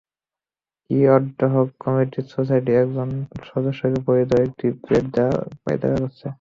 কিন্তু ad hoc committee সোসাইটির একজন সদস্যকে অবৈধভাবে একটি প্লট দেওয়ার পাঁয়তারা করছে।